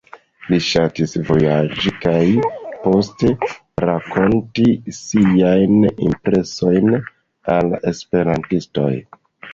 Li ŝatis vojaĝi kaj poste rakonti siajn impresojn al esperantistoj.